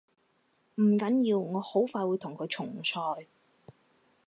唔緊要，我好快會同佢重賽